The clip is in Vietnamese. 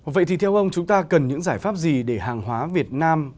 vậy thì theo ông chúng ta cần những giải pháp gì để hàng hóa việt nam